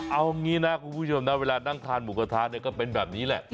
เอางี้นะคุณผู้ชมนะเวลานั่งทานหมูกระทะเนี่ยก็เป็นแบบนี้แหละ